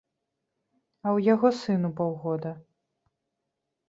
А ў яго сыну паўгода.